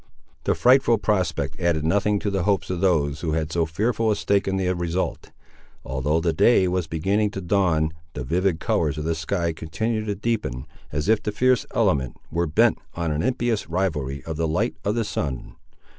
The frightful prospect added nothing to the hopes of those who had so fearful a stake in the result. Although the day was beginning to dawn, the vivid colours of the sky continued to deepen, as if the fierce element were bent on an impious rivalry of the light of the sun.